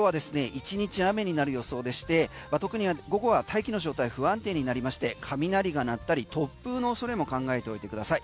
１日雨になる予想でして特に午後は大気の状態、不安定になりまして雷が鳴ったり突風の恐れも考えておいてください。